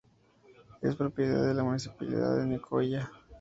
Es propiedad de la Municipalidad de Nicoya.